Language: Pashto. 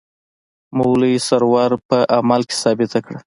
مولوي سرور په عمل کې ثابته کړه.